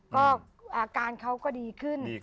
ก็อาการเขาก็ดีขึ้น